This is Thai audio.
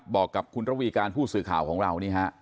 บอกกับคุณระวีการผู้สื่อข่าวของเรานี่ฮะ